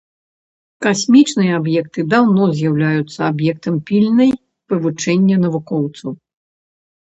Касмічныя аб'екты даўно з'яўляюцца аб'ектам пільнай вывучэння навукоўцаў.